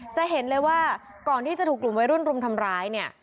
จะเห็นเลยว่าก่อนที่จะถูกกลุ่มวัยรุ่นรุมทำร้ายเนี่ย